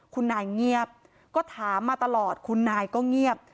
คุณนายเงียบก็ถามมาตลอดคุณนายก็เงียบ